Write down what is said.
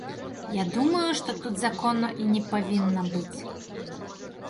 Я думаю, што тут закону і не павінна быць.